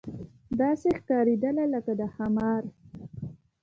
داسې ښکارېدله لکه د ښامار.